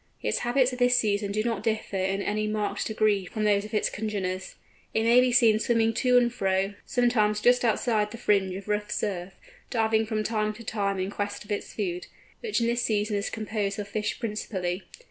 Its habits at this season do not differ in any marked degree from those of its congeners. It may be seen swimming to and fro, sometimes just outside the fringe of rough surf, diving from time to time in quest of its food, which at this season is composed of fish principally.